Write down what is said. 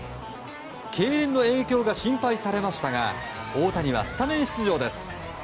けいれんの影響が心配されましたが大谷はスタメン出場です。